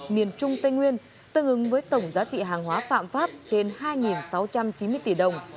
miền trung tây nguyên tương ứng với tổng giá trị hàng hóa phạm pháp trên hai sáu trăm chín mươi tỷ đồng